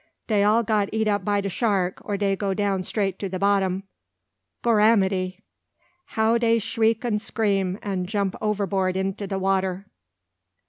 Dey all got eat up by de shark, or dey go down straight to de bottom. Gorramity! how dey s'riek an' 'cream, an' jump overboard into de water!"